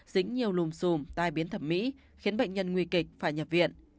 dính nhiều lùm xùm tai biến thẩm mỹ khiến bệnh nhân nguy kịch phải nhập viện